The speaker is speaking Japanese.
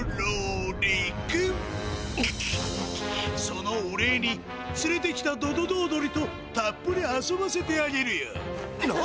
そのお礼につれてきたドドドー鳥とたっぷり遊ばせてあげるよ。な！？